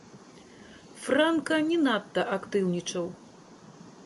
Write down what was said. Франка не надта актыўнічаў.